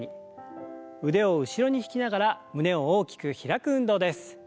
腕を後ろに引きながら胸を大きく開く運動です。